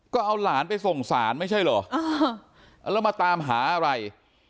ก็เอาหลานไปส่งสารไม่ใช่เหรอแล้วมาตามหาอะไร